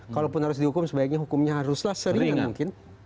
kalaupun harus dihukum sebaiknya hukumnya haruslah seringan mungkin